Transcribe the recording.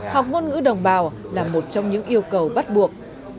học ngôn ngữ đồng bào là một trong những yêu cầu bắt buộc